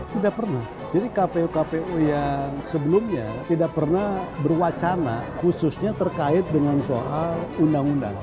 tidak pernah jadi kpu kpu yang sebelumnya tidak pernah berwacana khususnya terkait dengan soal undang undang